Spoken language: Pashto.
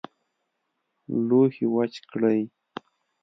لوښي وچ کړئ